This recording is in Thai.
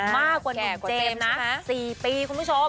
มากกว่าหนุ่มเจมส์นะ๔ปีคุณผู้ชม